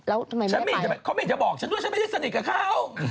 เขาไม่เห็นจะบอกฉันด้วยฉันไม่ได้สนิทกับเขา